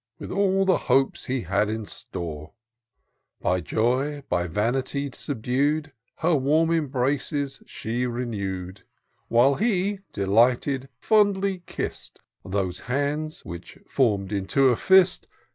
With all the hopes he had in store ; By joy, by vanity subdu'd, Her warm embraces she renew'd ; While he, delighted, fondly kiss'd Those hands which, form'd into a fist.